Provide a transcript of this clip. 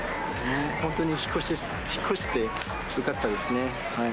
本当に引っ越してよかったですね。